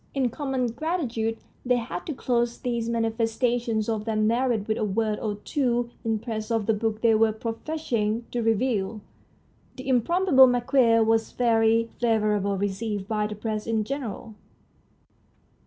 In common gratitude they had to close these manifesta tions of their merit with a word or two in praise of the book they were professing to review. "The Improbable Marquis "was very favourably received by the Press in general.